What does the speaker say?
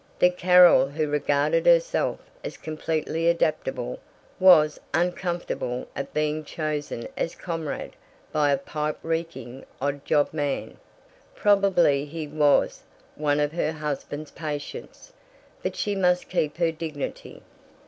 The Carol who regarded herself as completely adaptable was uncomfortable at being chosen as comrade by a pipe reeking odd job man. Probably he was one of her husband's patients. But she must keep her dignity.